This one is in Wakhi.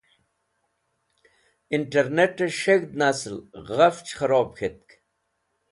Internet e S̃heg̃hd Nsal Ghafch Kharob K̃hetk